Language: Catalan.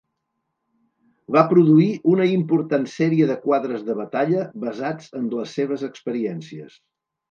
Va produir una important sèrie de quadres de batalla basats en les seves experiències.